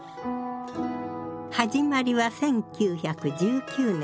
始まりは１９１９年。